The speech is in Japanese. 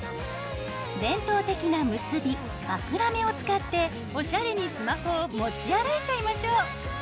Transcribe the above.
伝統的な「結び」まくらめを使っておしゃれにスマホを持ち歩いちゃいましょう！